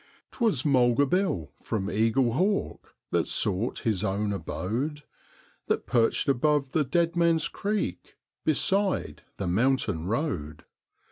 'Twas Mulga Bill, from Eaglehawk, that sought his own abode, That perched above the Dead Man's Creek, beside the mountain road.